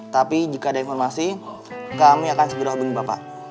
tapi jika ada informasi kami akan segera hubungi bapak